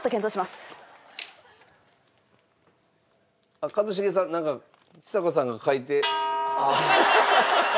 あっ一茂さんなんかちさ子さんが書いて。